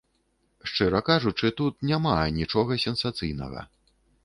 Шчыра кажучы, тут няма анічога сенсацыйнага.